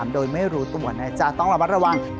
โดยไม่รู้ตัวนะจ๊ะต้องระมัดระวัง